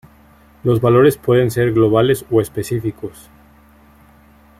Los valores pueden ser globales o específicos.